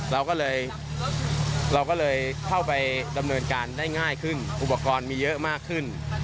เราก็เลยเราก็เลยเข้าไปดำเนินการได้ง่ายขึ้นอุปกรณ์มีเยอะมากขึ้น